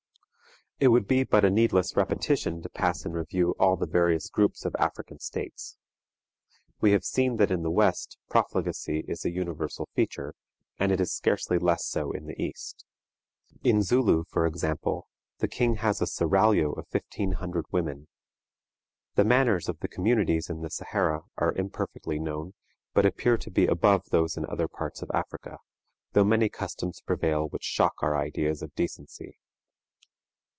It would be but a needless repetition to pass in review all the various groups of African states. We have seen that in the west profligacy is a universal feature, and it is scarcely less so in the east. In Zulu, for example, the king has a seraglio of fifteen hundred women. The manners of the communities in the Sahara are imperfectly known, but appear to be above those in other parts of Africa, though many customs prevail which shock our ideas of decency.